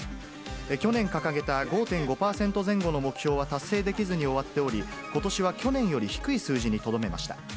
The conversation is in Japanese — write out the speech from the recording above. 去年掲げた５．５％前後の目標は達成できずに終わっており、ことしは去年より低い数字にとどめました。